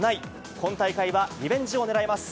今大会はリベンジをねらいます。